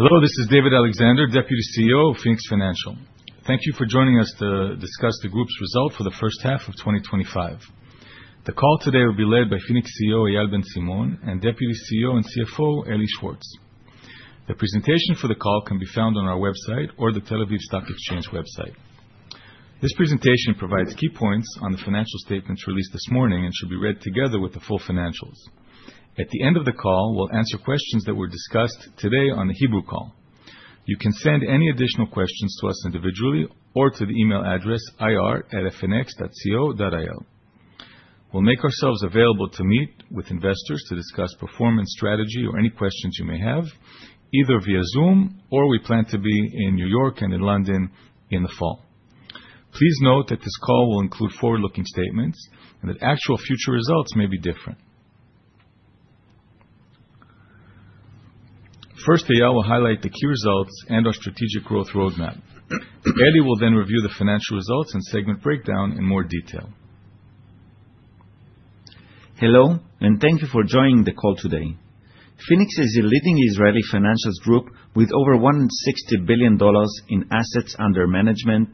Hello, this is David Alexander, Deputy CEO of Phoenix Financial. Thank you for joining us to discuss the group's result for the first half of 2025. The call today will be led by Phoenix CEO, Eyal Ben Simon, and Deputy CEO and CFO, Eli Schwartz. The presentation for the call can be found on our website or the Tel Aviv Stock Exchange website. This presentation provides key points on the financial statements released this morning and should be read together with the full financials. At the end of the call, we'll answer questions that were discussed today on the Hebrew call. You can send any additional questions to us individually or to the email address ir@phoenix.co.il. We'll make ourselves available to meet with investors to discuss performance strategy or any questions you may have, either via Zoom or we plan to be in New York and in London in the fall. Please note that this call will include forward-looking statements and that actual future results may be different. First, Eyal will highlight the key results and our strategic growth roadmap. Eli will then review the financial results and segment breakdown in more detail. Hello, thank you for joining the call today. Phoenix is a leading Israeli financials group with over $160 billion in assets under management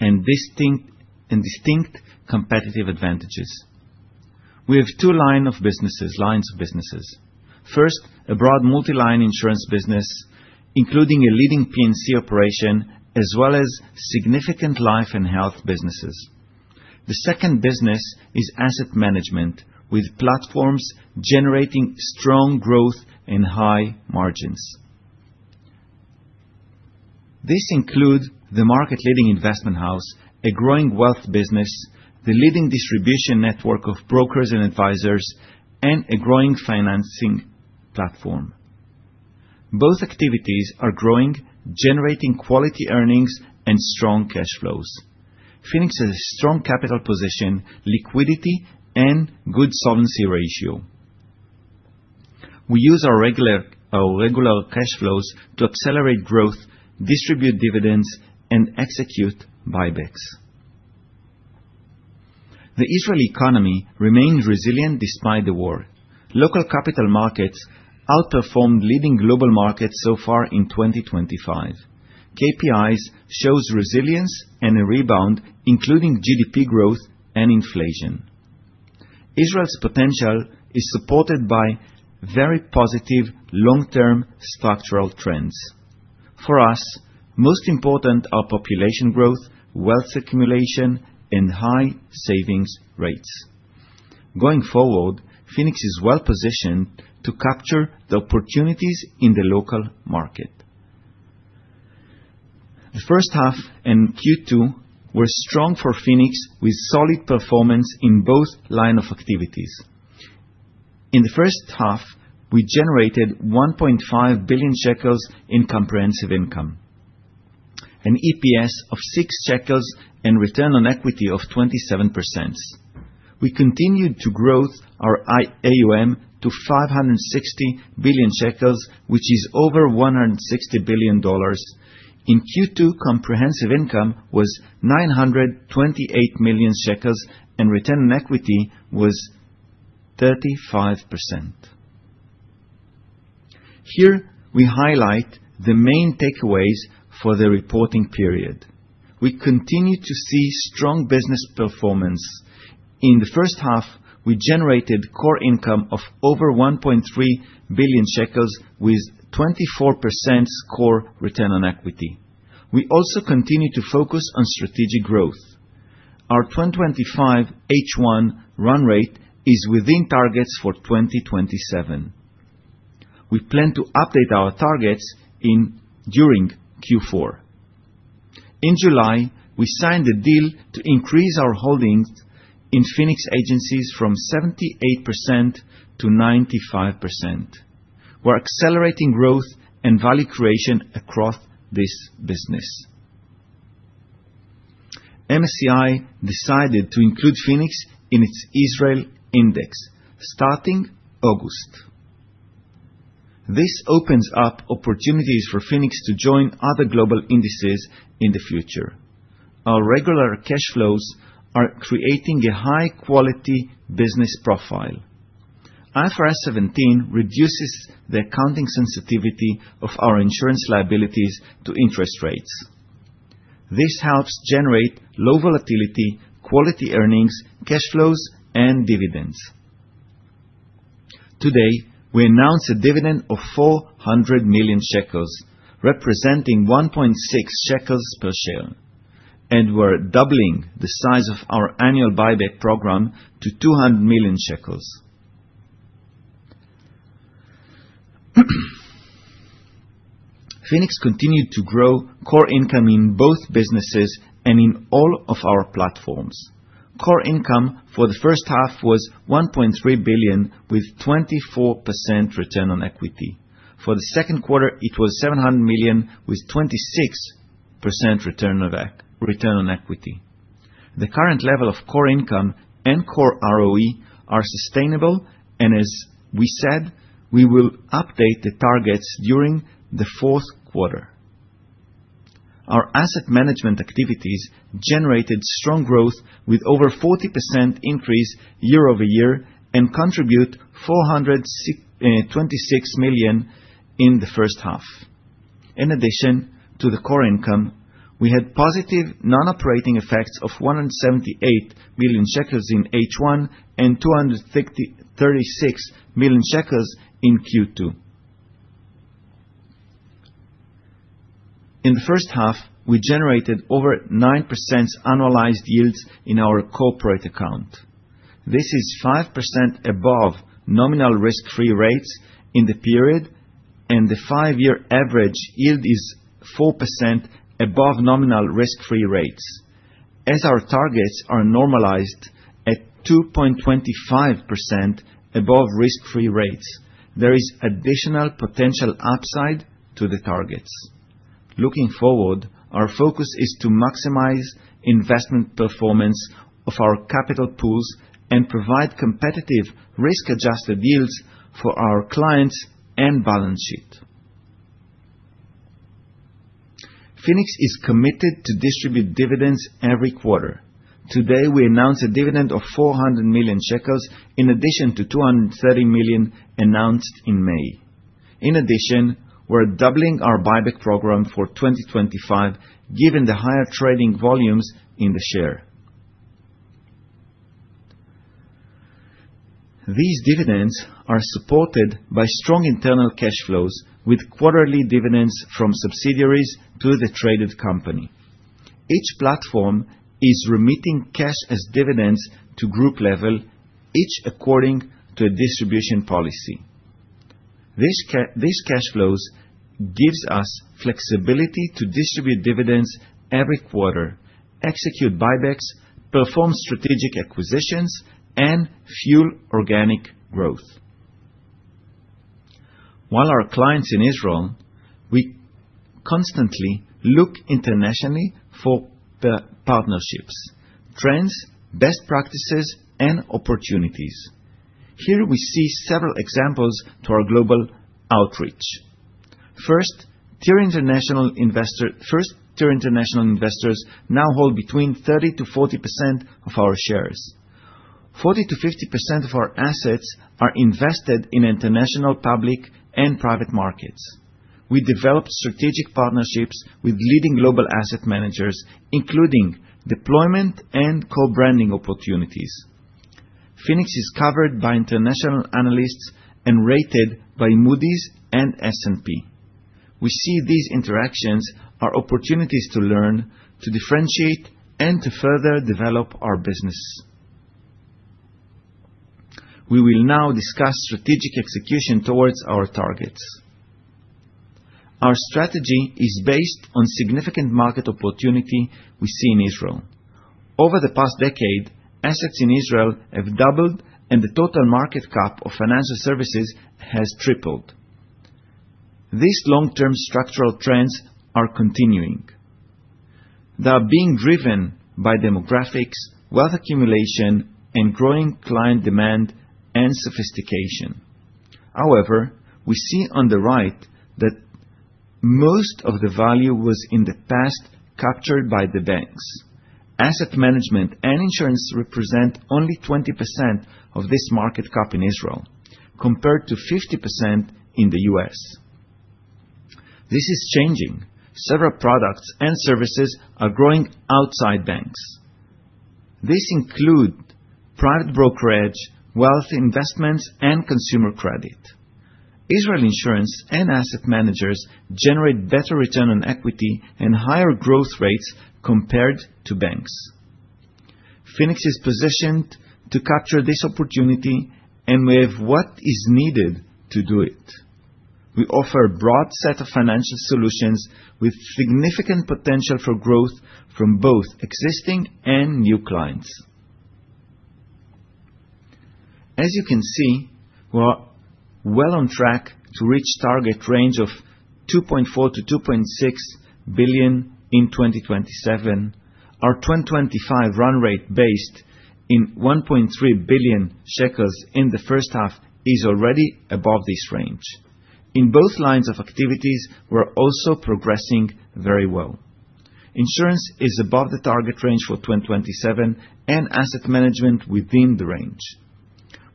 and distinct competitive advantages. We have two lines of businesses. First, a broad multi-line insurance business, including a leading P&C operation, as well as significant life and health businesses. The second business is asset management, with platforms generating strong growth and high margins. This includes the market-leading investment house, a growing wealth business, the leading distribution network of brokers and advisors, and a growing financing platform. Both activities are growing, generating quality earnings and strong cash flows. Phoenix has a strong capital position, liquidity, and good solvency ratio. We use our regular cash flows to accelerate growth, distribute dividends, and execute buybacks. The Israeli economy remained resilient despite the war. Local capital markets outperformed leading global markets so far in 2025. KPIs shows resilience and a rebound, including GDP growth and inflation. Israel's potential is supported by very positive long-term structural trends. For us, most important are population growth, wealth accumulation, and high savings rates. Going forward, Phoenix is well-positioned to capture the opportunities in the local market. The first half and Q2 were strong for Phoenix with solid performance in both line of activities. In the first half, we generated 1.5 billion shekels in comprehensive income, an EPS of 6 shekels, and return on equity of 27%. We continued to grow our AUM to 560 billion shekels, which is over $160 billion. In Q2, comprehensive income was 928 million shekels, and return on equity was 35%. Here, we highlight the main takeaways for the reporting period. We continue to see strong business performance. In the first half, we generated core income of over 1.3 billion shekels with 24% core return on equity. We also continue to focus on strategic growth. Our 2025 H1 run rate is within targets for 2027. We plan to update our targets during Q4. In July, we signed a deal to increase our holdings in Phoenix Agencies from 78%-95%. We're accelerating growth and value creation across this business. MSCI decided to include Phoenix in its Israel index starting August. This opens up opportunities for Phoenix to join other global indices in the future. Our regular cash flows are creating a high-quality business profile. IFRS 17 reduces the accounting sensitivity of our insurance liabilities to interest rates. This helps generate low volatility, quality earnings, cash flows, and dividends. Today, we announced a dividend of 400 million shekels, representing 1.6 shekels per share. We're doubling the size of our annual buyback program to 200 million shekels. Phoenix continued to grow core income in both businesses and in all of our platforms. Core income for the first half was 1.3 billion with 24% return on equity. For the second quarter, it was 700 million with 26% return on equity. The current level of core income and core ROE are sustainable. As we said, we will update the targets during the fourth quarter. Our asset management activities generated strong growth with over 40% increase year-over-year and contribute 426 million in the first half. In addition to the core income, we had positive non-operating effects of 178 million shekels in H1 and 236 million shekels in Q2. In the first half, we generated over 9% annualized yields in our corporate account. This is 5% above nominal risk-free rates in the period. The five-year average yield is 4% above nominal risk-free rates. As our targets are normalized at 2.25% above risk-free rates, there is additional potential upside to the targets. Looking forward, our focus is to maximize investment performance of our capital pools and provide competitive risk-adjusted yields for our clients and balance sheet. Phoenix is committed to distribute dividends every quarter. Today, we announce a dividend of 400 million shekels in addition to 230 million announced in May. In addition, we're doubling our buyback program for 2025, given the higher trading volumes in the share. These dividends are supported by strong internal cash flows with quarterly dividends from subsidiaries to the traded company. Each platform is remitting cash as dividends to group level, each according to a distribution policy. These cash flows gives us flexibility to distribute dividends every quarter, execute buybacks, perform strategic acquisitions, and fuel organic growth. While our clients in Israel, we constantly look internationally for the partnerships, trends, best practices, and opportunities. Here we see several examples to our global outreach. First, tier international investors now hold between 30%-40% of our shares. 40%-50% of our assets are invested in international public and private markets. We develop strategic partnerships with leading global asset managers, including deployment and co-branding opportunities. Phoenix is covered by international analysts and rated by Moody's and S&P. We see these interactions are opportunities to learn, to differentiate, and to further develop our business. We will now discuss strategic execution towards our targets. Our strategy is based on significant market opportunity we see in Israel. Over the past decade, assets in Israel have doubled and the total market cap of financial services has tripled. These long-term structural trends are continuing. They are being driven by demographics, wealth accumulation, and growing client demand and sophistication. However, we see on the right that most of the value was in the past captured by the banks. Asset management and insurance represent only 20% of this market cap in Israel, compared to 50% in the U.S. This is changing. Several products and services are growing outside banks. These include private brokerage, wealth investments, and consumer credit. Israel insurance and asset managers generate better return on equity and higher growth rates compared to banks. Phoenix is positioned to capture this opportunity, and we have what is needed to do it. We offer a broad set of financial solutions with significant potential for growth from both existing and new clients. As you can see, we are well on track to reach target range of 2.4 billion-2.6 billion in 2027. Our 2025 run rate based in 1.3 billion shekels in the first half is already above this range. In both lines of activities, we're also progressing very well. Insurance is above the target range for 2027 and asset management within the range.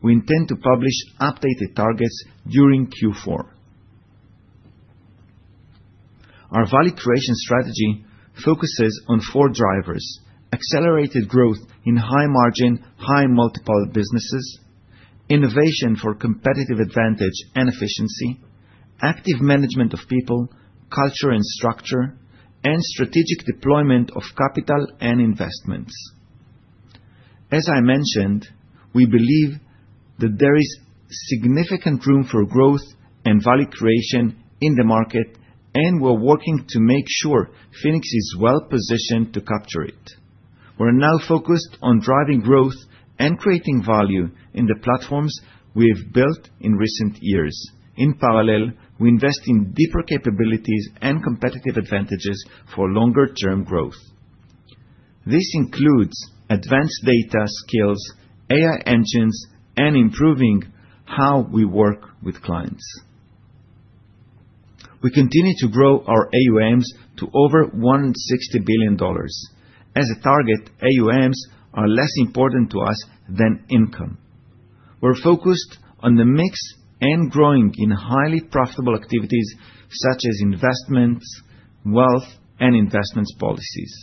We intend to publish updated targets during Q4. Our value creation strategy focuses on four drivers: accelerated growth in high margin, high multiple businesses, innovation for competitive advantage and efficiency, active management of people, culture, and structure, and strategic deployment of capital and investments. As I mentioned, we believe that there is significant room for growth and value creation in the market, we're working to make sure Phoenix is well positioned to capture it. We're now focused on driving growth and creating value in the platforms we have built in recent years. In parallel, we invest in deeper capabilities and competitive advantages for longer-term growth. This includes advanced data skills, AI engines, and improving how we work with clients. We continue to grow our AUMs to over $160 billion. As a target, AUMs are less important to us than income. We're focused on the mix and growing in highly profitable activities such as investments, wealth, and investments policies.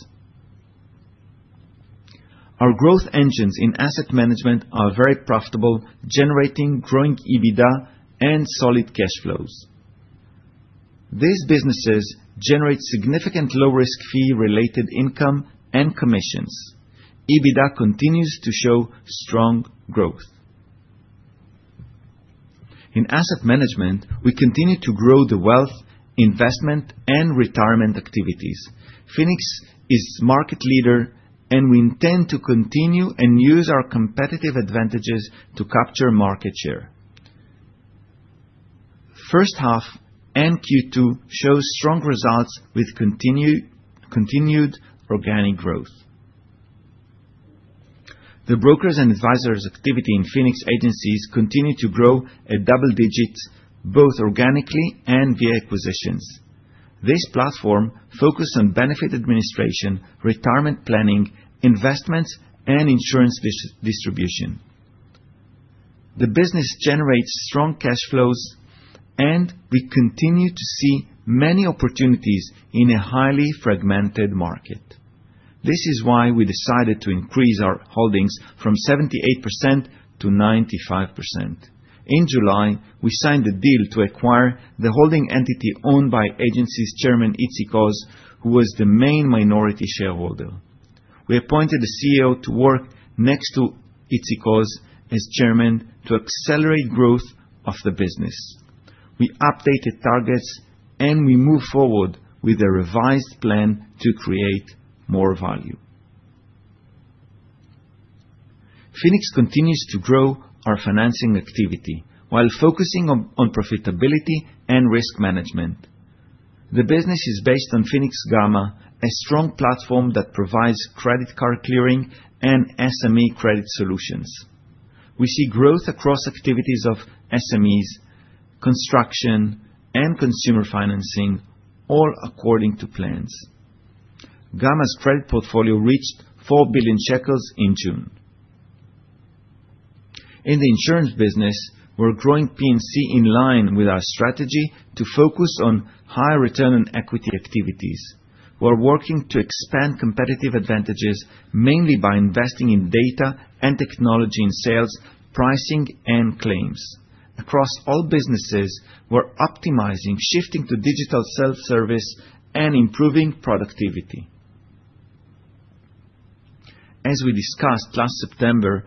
Our growth engines in asset management are very profitable, generating growing EBITDA and solid cash flows. These businesses generate significant low risk fee related income and commissions. EBITDA continues to show strong growth. In asset management, we continue to grow the wealth, investment, and retirement activities. Phoenix is market leader and we intend to continue and use our competitive advantages to capture market share. First half and Q2 shows strong results with continued organic growth. The brokers and advisors activity in Phoenix Agencies continue to grow at double digits, both organically and via acquisitions. This platform focus on benefit administration, retirement planning, investments, and insurance distribution. The business generates strong cash flows, we continue to see many opportunities in a highly fragmented market. This is why we decided to increase our holdings from 78% to 95%. In July, we signed a deal to acquire the holding entity owned by Agencies Chairman Itzik Oz, who was the main minority shareholder. We appointed a CEO to work next to Itzik Oz as chairman to accelerate growth of the business. We updated targets, we move forward with a revised plan to create more value. Phoenix continues to grow our financing activity, while focusing on profitability and risk management. The business is based on Phoenix Gama, a strong platform that provides credit card clearing and SME credit solutions. We see growth across activities of SMEs, construction, and consumer financing, all according to plans. Gama's credit portfolio reached 4 billion shekels in June. In the insurance business, we're growing P&C in line with our strategy to focus on high return on equity activities. We're working to expand competitive advantages, mainly by investing in data and technology in sales, pricing, and claims. Across all businesses, we're optimizing, shifting to digital self-service and improving productivity. As we discussed last September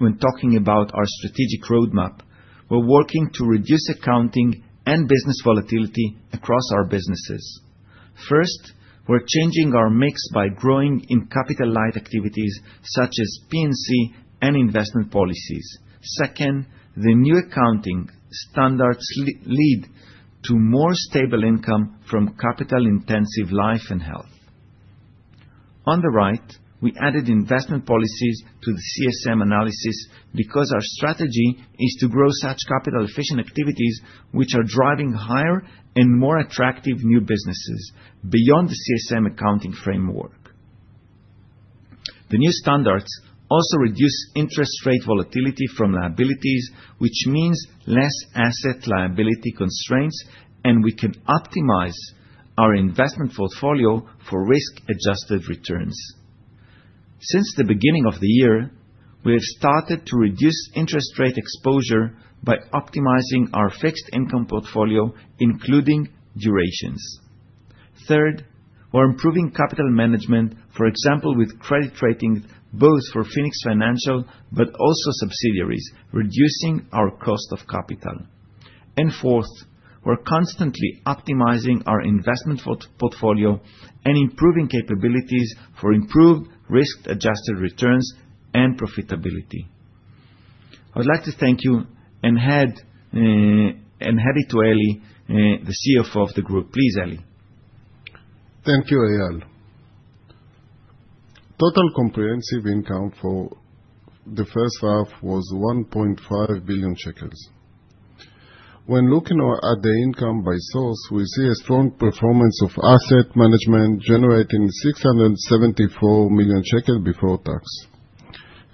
when talking about our strategic roadmap, we're working to reduce accounting and business volatility across our businesses. First, we're changing our mix by growing in capital light activities such as P&C and investment policies. Second, the new accounting standards lead to more stable income from capital intensive life and health. On the right, we added investment policies to the CSM analysis because our strategy is to grow such capital efficient activities, which are driving higher and more attractive new businesses beyond the CSM accounting framework. The new standards also reduce interest rate volatility from liabilities, which means less asset liability constraints. We can optimize our investment portfolio for risk-adjusted returns. Since the beginning of the year, we have started to reduce interest rate exposure by optimizing our fixed income portfolio, including durations. Third, we're improving capital management, for example, with credit ratings, both for Phoenix Financial, also subsidiaries, reducing our cost of capital. Fourth, we're constantly optimizing our investment portfolio and improving capabilities for improved risk-adjusted returns and profitability. I would like to thank you and hand it to Eli, the CFO of the group. Please, Eli. Thank you, Eyal. Total comprehensive income for the first half was 1.5 billion shekels. When looking at the income by source, we see a strong performance of asset management generating 674 million shekel before tax.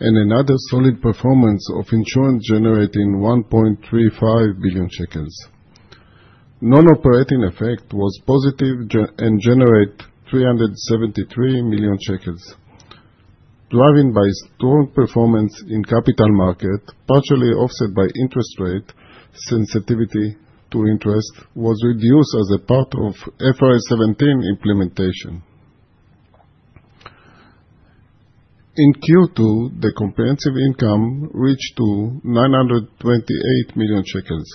Another solid performance of insurance generating 1.35 billion shekels. Non-operating effect was positive, generate ILS 373 million, driven by strong performance in capital market, partially offset by interest rate sensitivity to interest was reduced as a part of IFRS 17 implementation. In Q2, the comprehensive income reached 928 million shekels.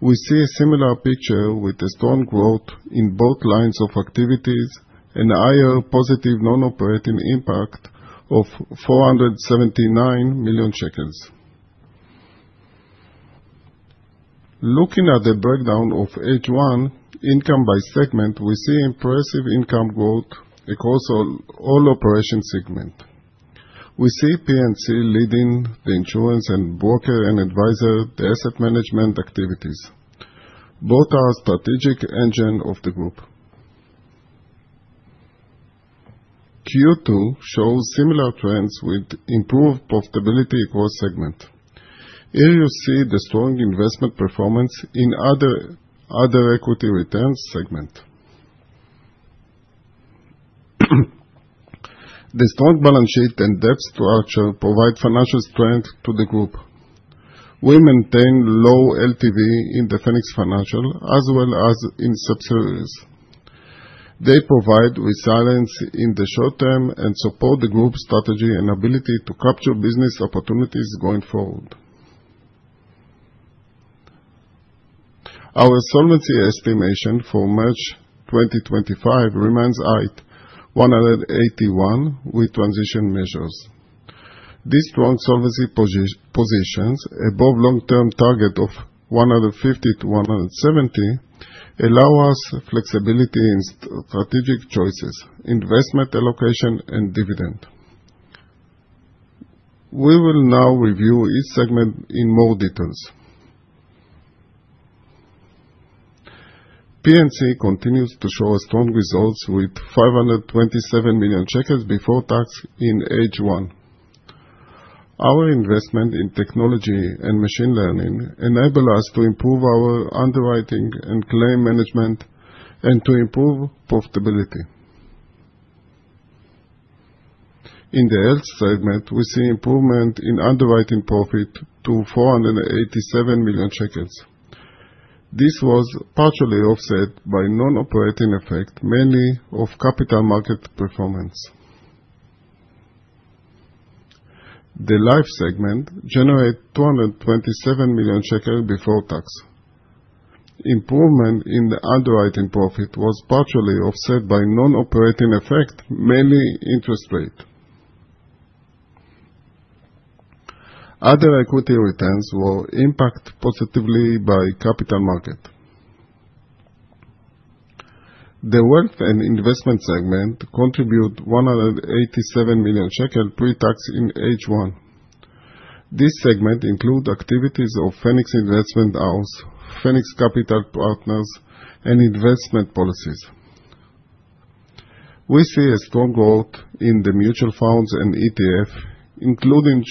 We see a similar picture with a strong growth in both lines of activities, a higher positive non-operating impact of ILS 479 million. Looking at the breakdown of H1 income by segment, we see impressive income growth across all operation segments. We see P&C leading the insurance and broker and advisor, the asset management activities. Both are strategic engine of the group. Q2 shows similar trends with improved profitability across segments. Here you see the strong investment performance in other equity returns segment. The strong balance sheet and debt structure provide financial strength to the group. We maintain low LTV in the Phoenix Financial as well as in subsidiaries. They provide resilience in the short term and support the group's strategy and ability to capture business opportunities going forward. Our solvency estimation for March 2025 remains at 181 with transition measures. This strong solvency positions above long-term target of 150-170 allow us flexibility in strategic choices, investment allocation and dividend. We will now review each segment in more details. P&C continues to show strong results with 527 million before tax in H1. Our investment in technology and machine learning enable us to improve our underwriting and claim management and to improve profitability. In the health segment, we see improvement in underwriting profit to 487 million shekels. This was partially offset by non-operating effect, mainly of capital market performance. The life segment generate 227 million shekel before tax. Improvement in the underwriting profit was partially offset by non-operating effect, mainly interest rate. Other equity returns were impact positively by capital market. The wealth and investment segment contribute 187 million shekel pre-tax in H1. This segment include activities of Phoenix Investment House, Phoenix Capital Partners, and investment policies. We see a strong growth in the mutual funds and ETF, including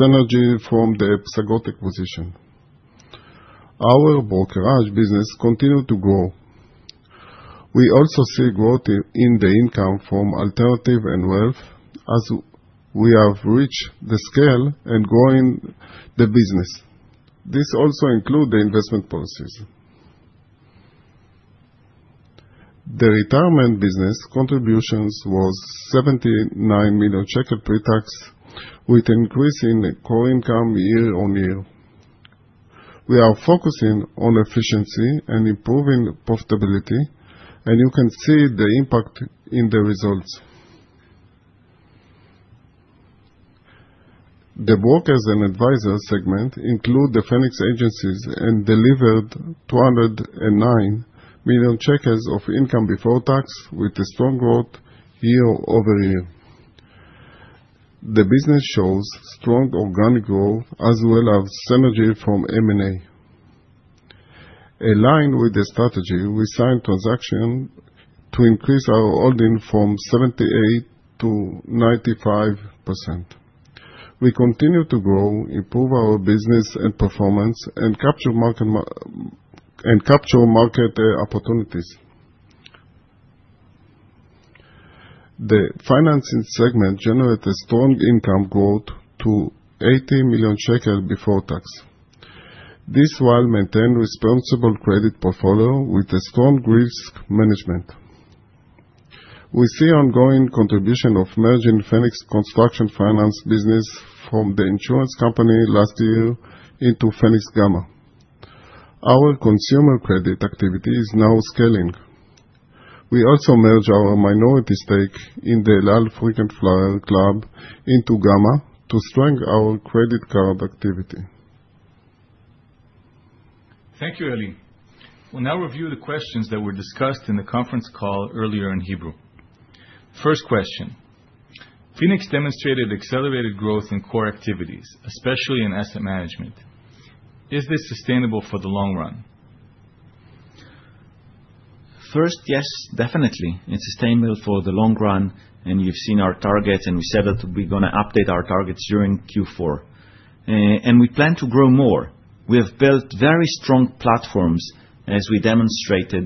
synergy from the Psagot acquisition. Our brokerage business continue to grow. We also see growth in the income from alternative and wealth as we have reached the scale and growing the business. This also include the investment policies. The retirement business contributions was 79 million pre-tax, with increase in core income year-on-year. We are focusing on efficiency and improving profitability. You can see the impact in the results. The brokers and advisors segment include the Phoenix Agencies and delivered 209 million of income before tax, with a strong growth year-over-year. The business shows strong organic growth as well as synergy from M&A. Aligned with the strategy, we signed transaction to increase our holding from 78%-95%. We continue to grow, improve our business and performance, and capture market opportunities. The financing segment generate a strong income growth to 80 million shekel before tax. This while maintain responsible credit portfolio with a strong risk management. We see ongoing contribution of merging Phoenix construction finance business from the insurance company last year into Phoenix Gama. Our consumer credit activity is now scaling. We also merge our minority stake in the El Al Frequent Flyer Club into Gama to strengthen our credit card activity. Thank you, Eli. We'll now review the questions that were discussed in the conference call earlier in Hebrew. First question. Phoenix demonstrated accelerated growth in core activities, especially in asset management. Is this sustainable for the long run? First, yes, definitely. It's sustainable for the long run, you've seen our targets, we said that we're going to update our targets during Q4. We plan to grow more. We have built very strong platforms as we demonstrated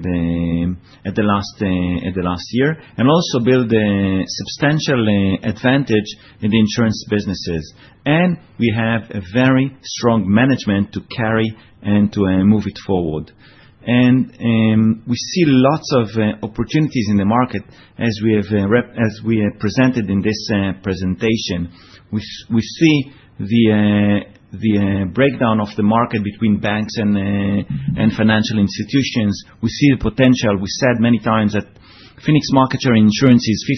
at the last year, also build a substantial advantage in the insurance businesses. We have a very strong management to carry and to move it forward. We see lots of opportunities in the market as we have presented in this presentation. We see the breakdown of the market between banks and financial institutions. We see the potential. We said many times that Phoenix market insurance is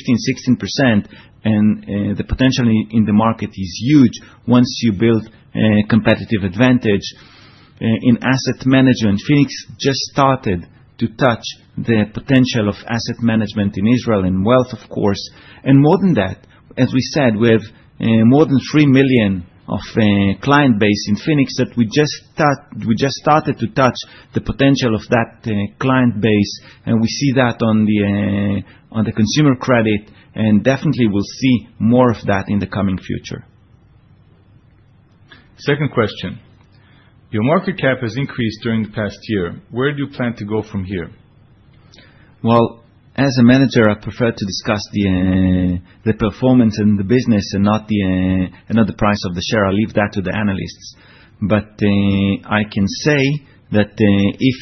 15%-16%, and the potential in the market is huge once you build a competitive advantage. In asset management, Phoenix just started to touch the potential of asset management in Israel, and wealth, of course. More than that, as we said, we have more than three million of client base in Phoenix that we just started to touch the potential of that client base, we see that on the consumer credit, definitely we'll see more of that in the coming future. Second question. Your market cap has increased during the past year. Where do you plan to go from here? Well, as a manager, I prefer to discuss the performance and the business and not the price of the share. I'll leave that to the analysts. I can say that if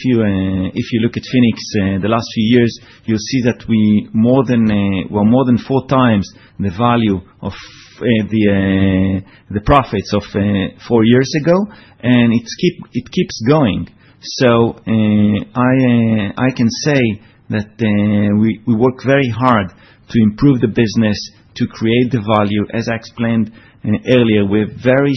you look at Phoenix the last few years, you'll see that we more than 4x the value of the profits of four years ago, and it keeps going. I can say that we work very hard to improve the business, to create the value. As I explained earlier, we're very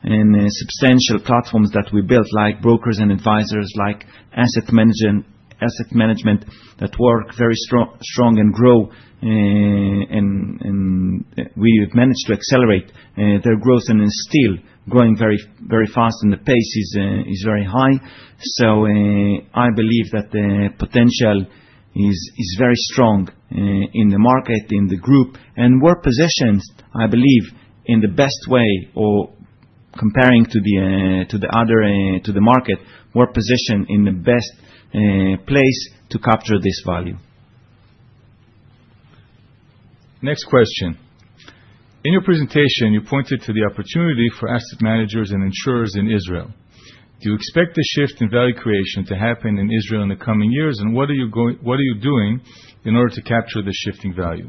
strong in substantial platforms that we built, like brokers and advisors, like asset management, that work very strong and grow, and we've managed to accelerate their growth and it's still growing very fast and the pace is very high. I believe that the potential is very strong in the market, in the group, and we're positioned, I believe, in the best way, or comparing to the market, we're positioned in the best place to capture this value. Next question. In your presentation, you pointed to the opportunity for asset managers and insurers in Israel. Do you expect the shift in value creation to happen in Israel in the coming years, and what are you doing in order to capture the shift in value?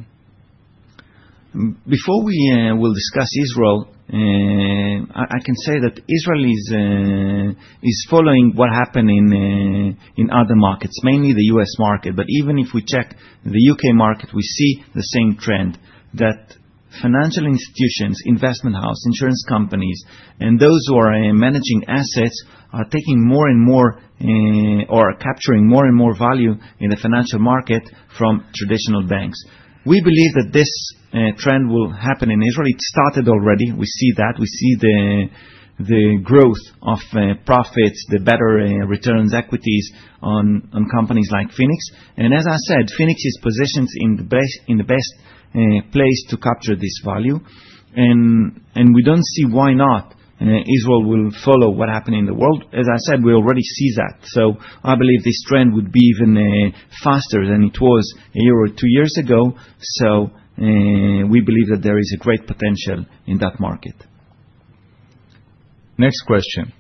Before we will discuss Israel, I can say that Israel is following what happened in other markets, mainly the U.S. market. Even if we check the U.K. market, we see the same trend, that financial institutions, investment house, insurance companies, and those who are managing assets are taking more and more, or capturing more and more value in the financial market from traditional banks. We believe that this trend will happen in Israel. It started already. We see that. We see the growth of profits, the better returns, equities on companies like Phoenix. As I said, Phoenix is positioned in the best place to capture this value. We don't see why not Israel will follow what happened in the world. As I said, we already see that. I believe this trend would be even faster than it was a year or two years ago. We believe that there is a great potential in that market. Next question.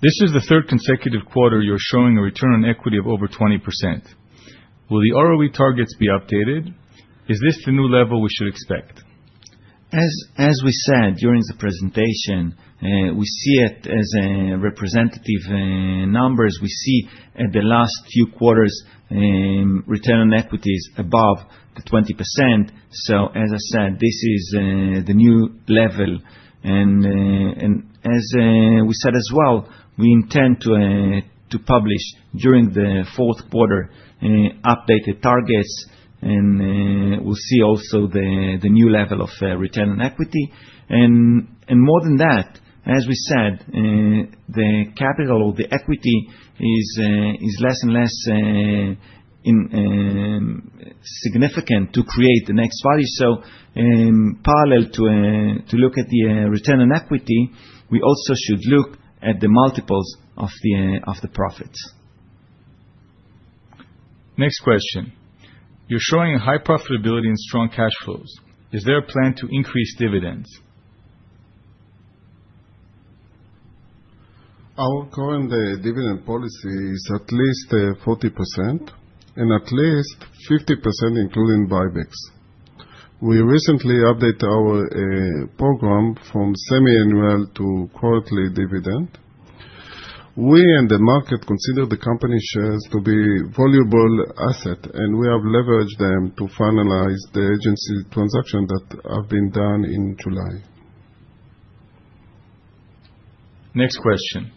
This is the third consecutive quarter you're showing a return on equity of over 20%. Will the ROE targets be updated? Is this the new level we should expect? We said during the presentation, we see it as representative numbers. We see at the last few quarters return on equity is above 20%. As I said, this is the new level. As we said as well, we intend to publish during the fourth quarter updated targets, and we'll see also the new level of return on equity. More than that, as we said, the capital, the equity is less and less significant to create the next value. Parallel to look at the return on equity, we also should look at the multiples of the profits. Next question. You're showing high profitability and strong cash flows. Is there a plan to increase dividends? Our current dividend policy is at least 40%, and at least 50% including buybacks. We recently update our program from semiannual to quarterly dividend. We in the market consider the company shares to be valuable asset, and we have leveraged them to finalize the agency transaction that have been done in July. Next question.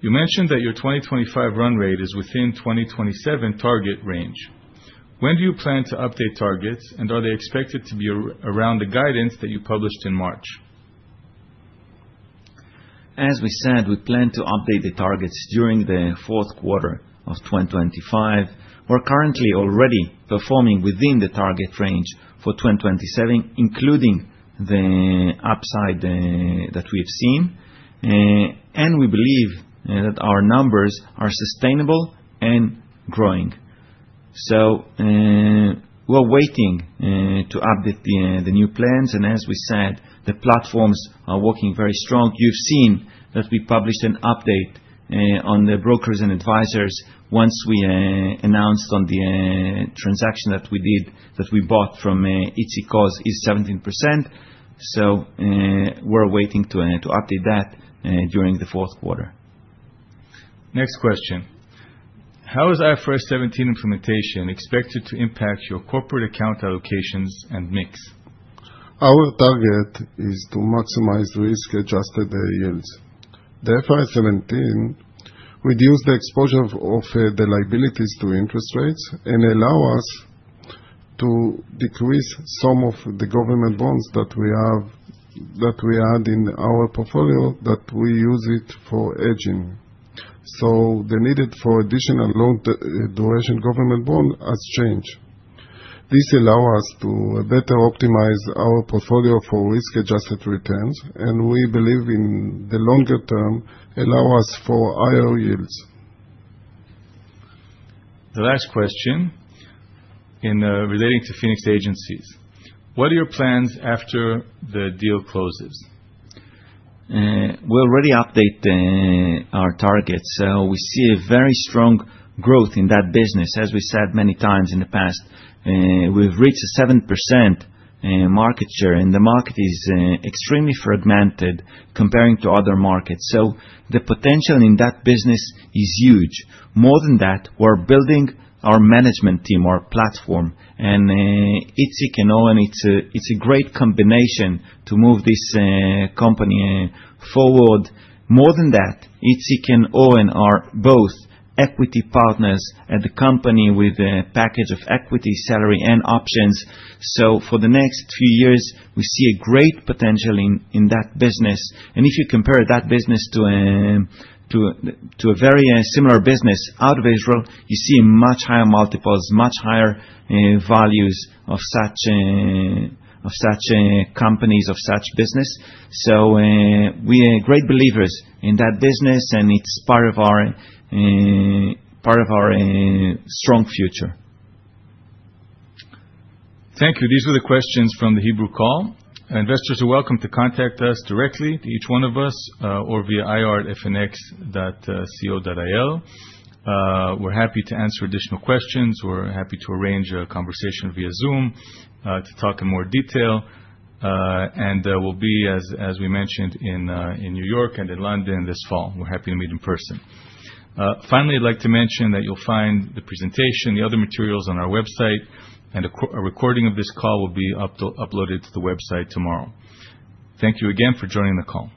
You mentioned that your 2025 run rate is within 2027 target range. When do you plan to update targets, and are they expected to be around the guidance that you published in March? As we said, we plan to update the targets during the fourth quarter of 2025. We're currently already performing within the target range for 2027, including the upside that we've seen. We believe that our numbers are sustainable and growing. We're waiting to update the new plans. As we said, the platforms are working very strong. You've seen that we published an update on the brokers and advisors once we announced on the transaction that we did, that we bought from Itzik Oz 17%. We're waiting to update that during the fourth quarter. Next question. How is IFRS 17 implementation expected to impact your corporate account allocations and mix? Our target is to maximize risk-adjusted yields. The IFRS 17 reduced the exposure of the liabilities to interest rates and allow us to decrease some of the government bonds that we had in our portfolio, that we use it for hedging. The need for additional long-duration government bond has changed. This allow us to better optimize our portfolio for risk-adjusted returns, we believe in the longer term, allow us for higher yields. The last question in relating to Phoenix Agencies. What are your plans after the deal closes? We already update our targets. We see a very strong growth in that business. As we said many times in the past, we've reached 7% market share, the market is extremely fragmented comparing to other markets. The potential in that business is huge. More than that, we're building our management team, our platform, Itzik and Oren, it's a great combination to move this company forward. More than that, Itzik and Oren are both equity partners at the company with a package of equity, salary, and options. For the next few years, we see a great potential in that business. If you compare that business to a very similar business out of Israel, you see much higher multiples, much higher values of such companies, of such business. We are great believers in that business, it's part of our strong future. Thank you. These were the questions from the Hebrew call. Investors are welcome to contact us directly, each one of us, or via ir@phoenix.co.il. We're happy to answer additional questions. We're happy to arrange a conversation via Zoom to talk in more detail. We'll be, as we mentioned, in New York and in London this fall. We're happy to meet in person. Finally, I'd like to mention that you'll find the presentation, the other materials on our website, a recording of this call will be uploaded to the website tomorrow. Thank you again for joining the call.